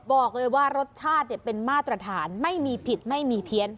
บอกเลยว่ารสชาติเป็นมาตรฐานไม่มีผิดไม่มีเพี้ยน